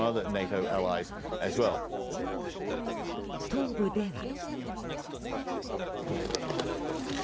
東部では。